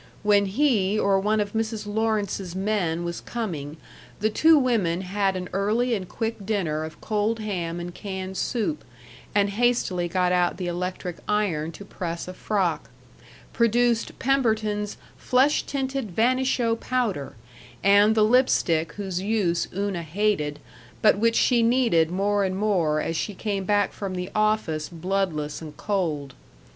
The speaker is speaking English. When he or one of Mrs. Lawrence's men was coming the two women had an early and quick dinner of cold ham and canned soup, and hastily got out the electric iron to press a frock; produced Pemberton's Flesh Tinted Vanisho Powder, and the lip stick whose use Una hated, but which she needed more and more as she came back from the office bloodless and cold.